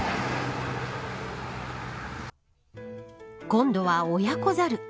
今度は親子ザル。